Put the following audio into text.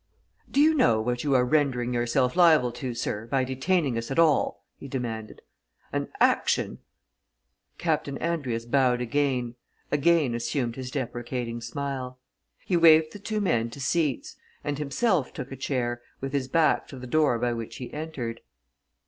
"Do you know what you are rendering yourself liable to, sir, by detaining us at all?" he demanded. "An action " Captain Andrius bowed again; again assumed his deprecating smile. He waved the two men to seats and himself took a chair with his back to the door by which he entered.